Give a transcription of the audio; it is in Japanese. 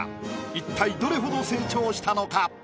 一体どれほど成長したのか？